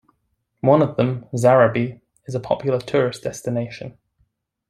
One of them, Zarabie, is a popular tourist destination.